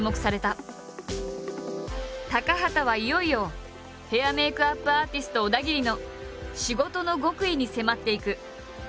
高畑はいよいよヘア＆メイクアップアーティスト小田切の仕事の極意に迫っていく。